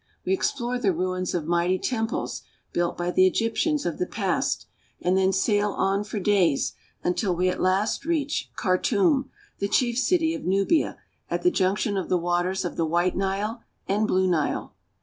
We explore the ruins of mighty temples built by the Egyptians of the past; and then sail on for days, until we at last reach Khartum (kar toom'), the chief city of Nubia, at the junc tion of the waters of the White Nile and Blue Nile.